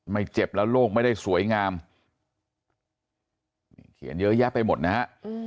เจ็บแล้วโลกไม่ได้สวยงามนี่เขียนเยอะแยะไปหมดนะฮะ